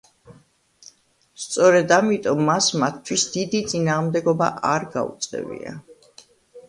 სწორედ ამიტომ მას მათთვის დიდი წინააღმდეგობა არ გაუწევია.